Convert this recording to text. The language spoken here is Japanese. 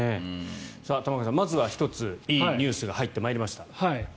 玉川さん、まずは１ついいニュースが入ってまいりました。